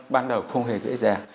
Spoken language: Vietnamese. ban đầu không hề dễ dàng